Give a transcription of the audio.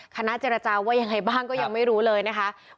คณะเจรจาว่ายังไงบ้างก็ยังไม่รู้เลยนะคะ